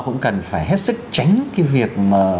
cũng cần phải hết sức tránh cái việc